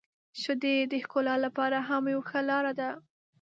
• شیدې د ښکلا لپاره هم یو ښه لاره ده.